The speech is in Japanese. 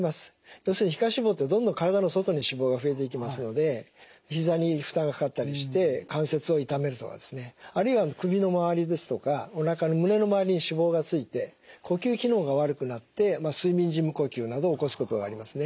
要するに皮下脂肪ってどんどん体の外に脂肪が増えていきますので膝に負担がかかったりして関節を痛めるとかですねあるいは首の周りですとかおなかの胸の周りに脂肪が付いて呼吸機能が悪くなって睡眠時無呼吸など起こすことがありますね。